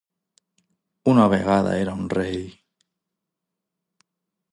Una vegada era un rei...